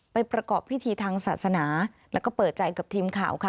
ประกอบพิธีทางศาสนาแล้วก็เปิดใจกับทีมข่าวค่ะ